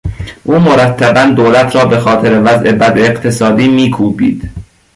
او مرتبا دولت را به خاطر وضع بد اقتصادی میکوبید.